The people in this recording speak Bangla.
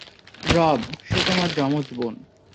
রব, সে আমার যমজ বোন।